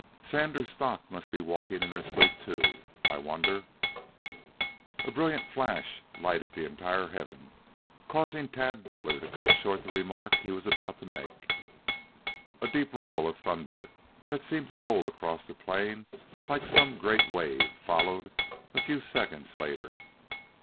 "Sanders' stock must be walking in their sleep, too. I wonder " A brilliant flash lighted the entire heaven, causing Tad Butler to cut short the remark he was about to make. A deep rumble of thunder, that seemed to roll across the plain like some great wave, followed a few seconds later.